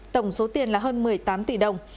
tổng số tiền là hơn một mươi tám tỷ đồng